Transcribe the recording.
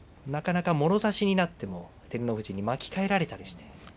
なかなか、もろ差しになっても照ノ富士に巻き替えられたりして。